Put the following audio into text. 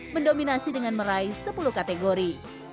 mendominasi dengan meraih sepuluh kategori